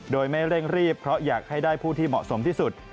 โดยไม่เร่งรีบเพราะอยากให้ได้ผู้ที่เหมาะสมที่สุด